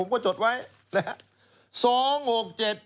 ก็จดไว้นะครับ